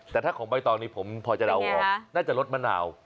แต่ถ้าของใบตองนี้ผมพอจะเดาออกน่าจะลดมะนาว